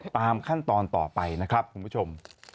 ตามขั้นตอนต่อไปนะครับคุณผู้ชม